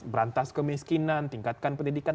berantas kemiskinan tingkatkan pendidikan